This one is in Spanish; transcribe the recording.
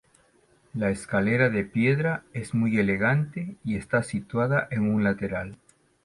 La escalera de piedra es muy elegante y está situada en un lateral.